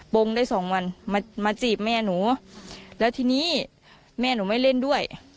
งได้สองวันมามาจีบแม่หนูแล้วทีนี้แม่หนูไม่เล่นด้วย